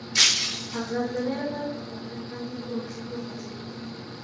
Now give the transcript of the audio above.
هغه د دمې لپاره په خپل کټ باندې اوږد وغځېد.